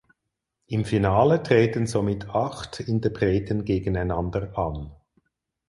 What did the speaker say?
Im Finale treten somit acht Interpreten gegeneinander an.